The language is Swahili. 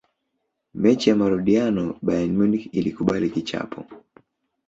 mechi ya marudiano bayern munich ilikubali kichapo